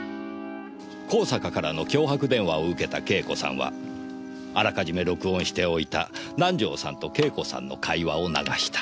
香坂からの脅迫電話を受けた惠子さんはあらかじめ録音しておいた南条さんと惠子さんの会話を流した。